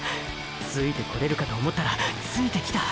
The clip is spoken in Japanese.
ついてこれるかと思ったらついてきた。